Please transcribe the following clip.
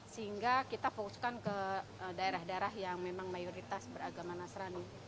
sehingga kita fokuskan ke daerah daerah yang memang mayoritas beragama nasrani